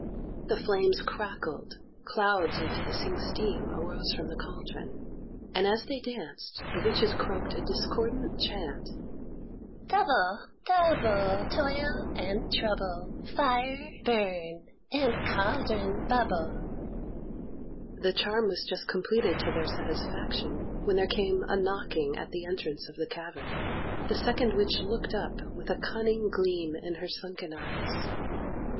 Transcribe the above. The flames crackled, clouds of hissing steam arose from the cauldron, and as they danced the witches croaked a discordant chant: "Double, double, toil and trouble; Fire burn, and cauldron bubble." The charm was just completed to their satisfaction, when there came a knocking at the entrance of the cavern. The second witch looked up with a cunning gleam in her sunken eyes.